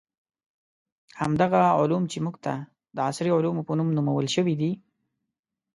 همدغه علوم چې موږ ته د عصري علومو په نوم نومول شوي دي.